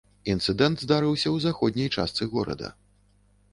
Інцыдэнт здарыўся ў заходняй частцы горада.